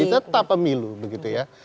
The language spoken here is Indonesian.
tetap pemilu begitu ya